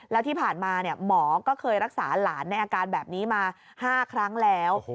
แล้วที่ผ่านมาหมอก็เคยรักษาหลานในอาการแบบนี้มา๕ครั้งแล้ว